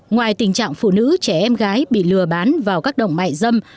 ngoài tình trạng phụ nữ trẻ em gái bị lừa bán vào các động mại dâm